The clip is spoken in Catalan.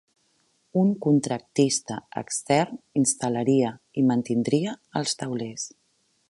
Un contractista extern instal·laria i mantindria els taulers.